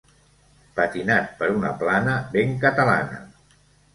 Patinat per una Plana ben catalana.